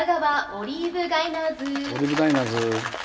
オリーブガイナーズから。